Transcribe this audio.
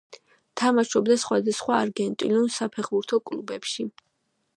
თამაშობდა სხვადასხვა არგენტინულ საფეხბურთო კლუბებში.